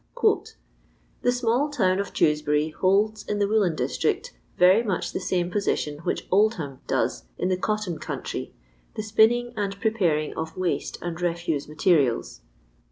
" The imall town of Dewsbury holds, in the woollen district, very much the saiuc position which Oldliam does in the cotton country — the spinning and preparing of waste and refuse ma terials.